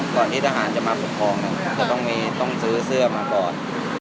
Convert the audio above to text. ก่อนที่ทหารจะมาปกครองอาจจะต้องซื้อเสื้อมาก่อน